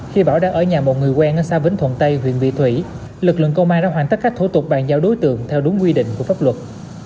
khi bảo đang ở nhà một người quen ở xa vĩnh thuận tây huyện vị thủy lực lượng công an đã hoàn tất các thủ tục bàn giao đối tượng theo đúng quy định của pháp luật